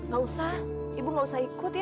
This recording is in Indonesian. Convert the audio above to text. gak usah ibu gak usah ikut ya